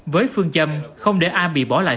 với phương châm không để ai bị bỏ lại